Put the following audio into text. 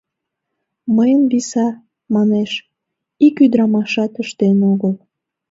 Мыйын виса, манеш, ик ӱдырамашат ыштен огыл.